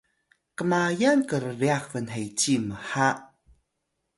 kmayal krryax bnheci mha